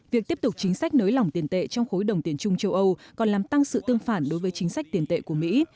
việc tiếp tục chính sách nới lỏng tiền tệ trong khối đồng tiền chung châu âu còn làm tăng sự tương phản đối với chính sách tiền tệ của mỹ